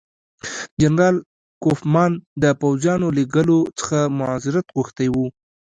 جنرال کوفمان د پوځیانو لېږلو څخه معذرت غوښتی وو.